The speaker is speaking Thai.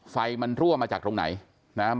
ไฟมันรั่วมาจากตรงไหนนะครับ